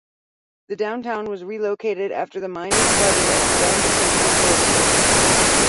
The downtown was relocated after the mine was flooded as the ground became unstable.